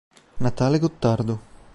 Natale Gottardo